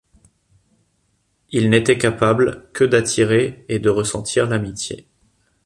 Il n'était capable que d'attirer et de ressentir l'amitié.